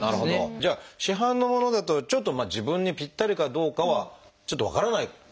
じゃあ市販のものだとちょっと自分にぴったりかどうかはちょっと分からないということになる。